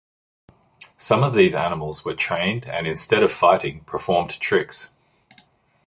Some of these animals were trained, and instead of fighting, performed tricks.